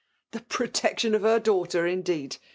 ''The protectioii of her daughter^ indeed